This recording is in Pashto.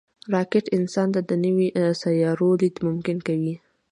راکټ انسان ته د نورو سیارو لید ممکن کوي